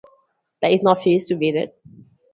There is no fee to visit.